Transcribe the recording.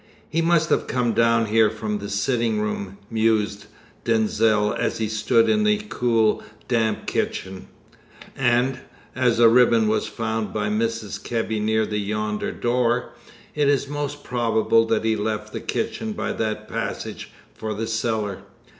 "He must have come down here from the sitting room," mused Denzil, as he stood in the cool, damp kitchen. "And as the ribbon was found by Mrs. Kebby near yonder door it is most probable that he left the kitchen by that passage for the cellar.